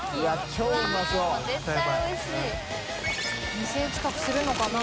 ２０００円近くするのかな？